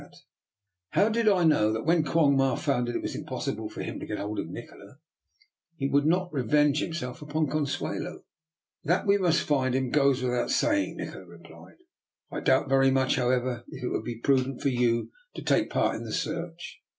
How did I know that, when Quong Ma found it was impossible for him to get hold of Nikola, he would not revenge himself upon Consuelo? " That we must find him goes without say ing," Nikola replied. " I doubt very much, however, if it would be prudent for you to take part in the search.